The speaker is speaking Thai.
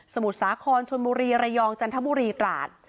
มุทรสาครชนบุรีระยองจันทบุรีตราด